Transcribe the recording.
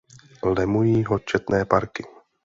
Lemují ho četné parky.